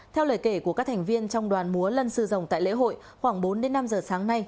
theo lời kể của các thành viên trong đoàn múa lân sư dòng tại lễ hội khoảng bốn đến năm giờ sáng nay